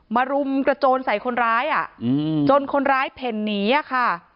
รุมกระโจนใส่คนร้ายจนคนร้ายเพ่นหนีอะค่ะ